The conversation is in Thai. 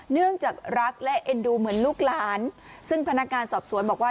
เนื่องจากรักและเอ็นดูเหมือนลูกหลานซึ่งพนักงานสอบสวนบอกว่า